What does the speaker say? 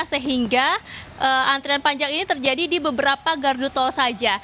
sehingga antrian panjang ini terjadi di beberapa gardu tol saja